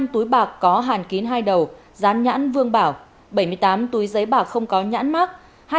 bảy mươi năm túi bạc có hàn kín hai đầu dán nhãn vương bảo bảy mươi tám túi giấy bạc không có nhãn mát